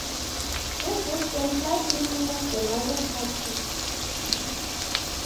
This system slightly favours the larger parties.